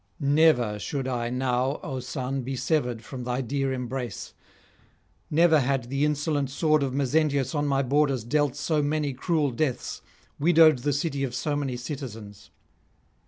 Never should I now, O son, be severed from thy dear embrace; never had the insolent sword of Mezentius on my borders dealt so many cruel deaths, widowed the city of so many citizens.